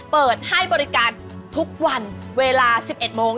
เปิดให้บริการทุกวันเวลา๑๑โมง